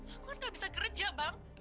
aku nggak bisa kerja bang